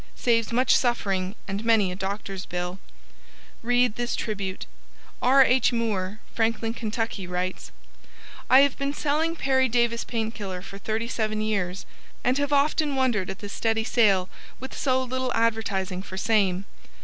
Saves much suffering and many a doctor's bill. READ THIS TRIBUTE: R. H, Moore, Franklin, Ky., writes: I have been selling PERRY DAVIS PAINKILLER for 37 years and have often wondered at the steady sale with so little advertising for same.